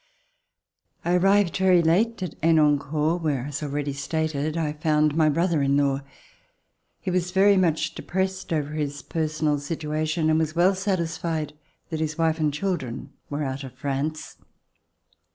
I ARRIVED very late at Henencourt where, as already stated, I found my brother in law. He was very much depressed over his personal situa tion and was well satisfied that his wife and children were out of France.